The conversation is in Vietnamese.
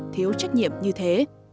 thiếu trách nhiệm như thế